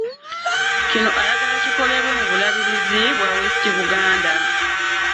Kino ayagala kikolebwe mu bulabirizi bwa Weet Buganda